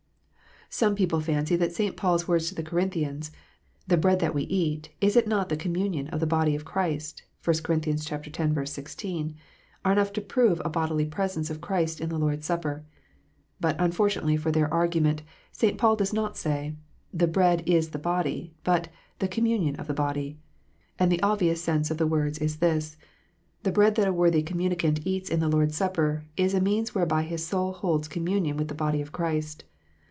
Some people fancy that St. Paul s words to the Corinthians, " The bread that we eat, is it not the communion of the body of Christ?" (1 Cor. x. 16) are enough to prove a bodily presence of Christ in the Lord s Supper. But unfortunately for their argument, St. Paul does not say, "The bread is the body," but the " communion of the body." And the obvious sense of the words is this, "The bread that a worthy communicant eats in the Lord s Supper, is a means whereby his soul holds com munion with the body of Christ."